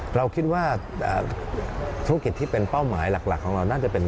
เราคิดว่าธุรกิจที่เป็นเป้าหมายหลักของเราน่าจะเป็น